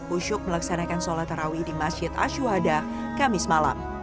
usyuk melaksanakan sholat terawih di masjid ashwada kamis malam